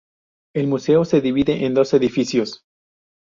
El museo se divide en dos edificios.